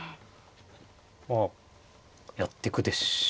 まあやってくでしょうね。